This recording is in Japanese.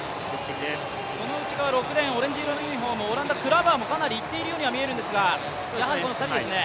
その内側、オレンジ色のオランダ・クラバーがかなりいっているようには見えるんですが、やはりこの２人ですね。